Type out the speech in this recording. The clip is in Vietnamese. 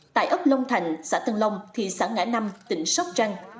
tại ấp long thành xã tân long thị xã ngã năm tỉnh sóc trăng